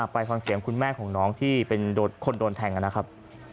ไปฟังเสียงคุณแม่ของน้องที่เป็นคนโดนแทงกันนะครับ